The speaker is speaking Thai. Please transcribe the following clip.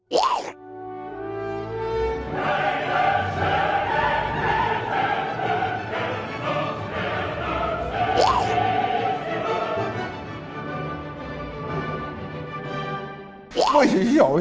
เฮ้ยชิบเฉียวเหรอ